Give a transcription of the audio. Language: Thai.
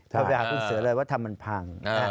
เราไปหาคุณเสือเลยว่าทำมันพัง